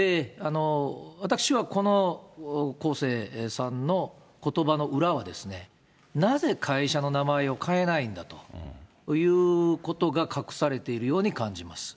私はこのコーセーさんのことばの裏はですね、なぜ会社の名前を変えないんだということが隠されているように感じます。